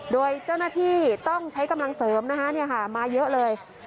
โดยเจ้าหน้าที่ต้องใช้กำลังเสริมนะคะมาเยอะเลย